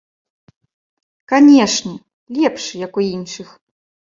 Канешне, лепшы, як у іншых.